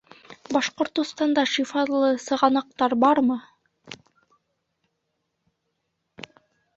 Башҡортостанда шифалы сығанаҡтар бармы?